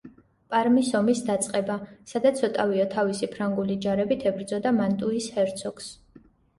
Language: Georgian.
პარმის ომის დაწყება, სადაც ოტავიო თავისი ფრანგული ჯარებით ებრძოდა მანტუის ჰერცოგს.